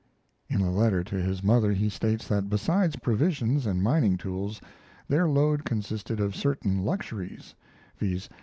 In a letter to his mother he states that besides provisions and mining tools, their load consisted of certain luxuries viz.